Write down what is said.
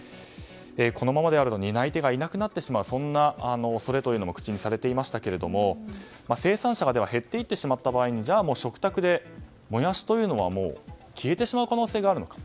このままだと担い手がいなくなってしまうそんな恐れも口にされていましたけれども生産者が減っていってしまった場合に食卓で、もやしというのは消えてしまう可能性があるのか。